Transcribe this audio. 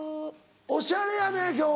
おしゃれやね今日。